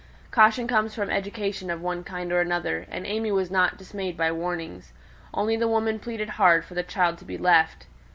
Caution comes from education of one kind or another, and AimÄe was not dismayed by warnings; only the woman pleaded hard for the child to be left.